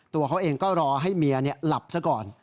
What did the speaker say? ตัวเขาเองก็รอให้เมียหลับซะก่อน